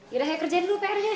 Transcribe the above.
ira ayo kerjain dulu pernya